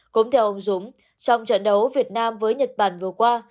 cũng theo ông dũng trong trận đấu việt nam với nhật bản vừa qua